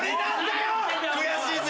悔しいぜ。